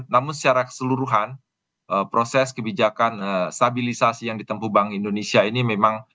namun secara keseluruhan proses kebijakan stabilisasi yang ditempuh bank indonesia ini memang